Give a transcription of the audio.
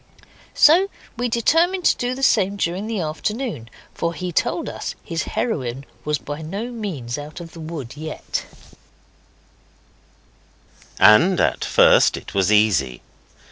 So we determined to do the same during the afternoon, for he told us his heroine was by no means out of the wood yet. And at first it was easy.